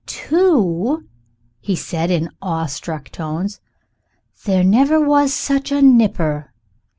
"Two," he said, in awestruck tones; "there never was such a nipper!"